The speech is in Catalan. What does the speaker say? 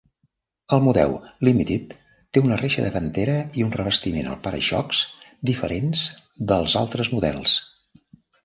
El model Limited té una reixa davantera i un revestiment al para-xocs diferents dels d'altres models.